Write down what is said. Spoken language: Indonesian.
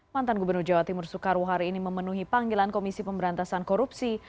mantan gubernur jawa timur soekarwo hari ini memenuhi panggilan komisi pemberantasan korupsi